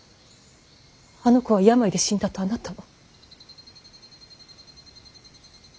あの子は病で死んだとあなたは。